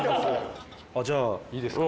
あっじゃあいいですか？